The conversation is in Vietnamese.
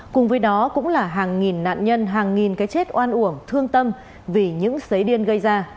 cùng với đó cũng là hàng nghìn nạn nhân hàng nghìn cái chết oan uổng thương tâm vì những xấy điên gây ra